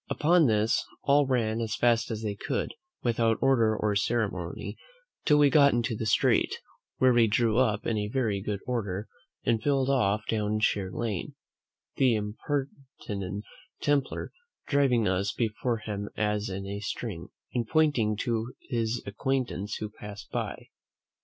Upon this, all ran down as fast as they could, without order or ceremony, till we got into the street, where we drew up in very good order, and filed off down Sheer Lane; the impertinent templar driving us before him as in a string, and pointing to his acquaintance who passed by.